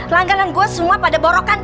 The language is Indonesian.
langganan gue semua pada borokan